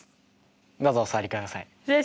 どうぞお座りください。